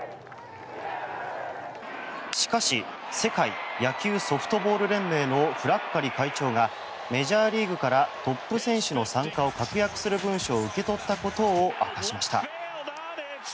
しかし世界野球ソフトボール連盟のフラッカリ会長がメジャーリーグからトップ選手の参加を確約する文書を受け取ったことを明かしました。